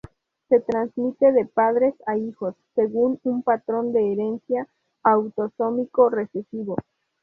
Se transmite de padres a hijos según un patrón de herencia autosómico recesivo.